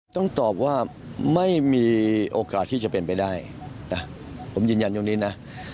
ต้องตอบว่าไม่มีโอกาสที่จะเป็นไปได้นะผมยืนยันตรงนี้นะ